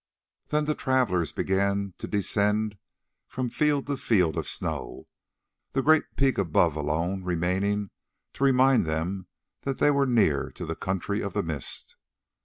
Then the travellers began to descend from field to field of snow, the great peak above alone remaining to remind them that they were near to the country of the Mist.